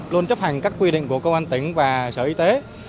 luôn chấp hành các quy định của công an tỉnh và sở y tế